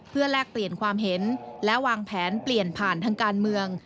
เพื่อแลกเปลี่ยนความเห็นและวางแผนเปลี่ยนผ่านทางการเมือง